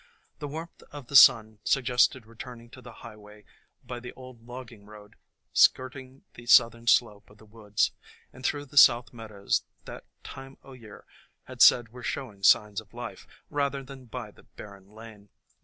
The warmth of the sun suggested returning to the highway by the old logging road skirting the southern slope of the woods, and through the south meadows that Time o' Year had said were showing signs of life, rather than by the barren lane.